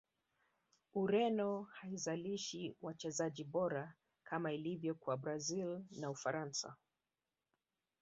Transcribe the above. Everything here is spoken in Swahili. Ureno haizalishi wachezaji bora kama ilivyo kwa brazil na ufaransa